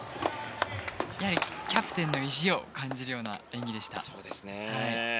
やはりキャプテンの意地を感じるような演技でした。